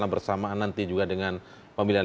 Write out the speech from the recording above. bersamaan nanti juga dengan pemilihan